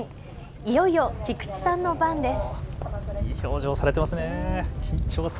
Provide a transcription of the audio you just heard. いよいよ菊池さんの番です。